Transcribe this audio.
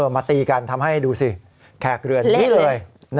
มาตีกันทำให้ดูสิแขกเรือนนี้เลย